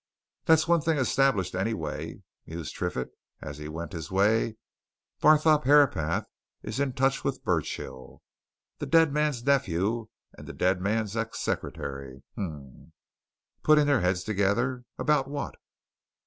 "That's one thing established, anyway!" mused Triffitt as he went his way. "Barthorpe Herapath is in touch with Burchill. The dead man's nephew and the dead man's ex secretary um! Putting their heads together about what?"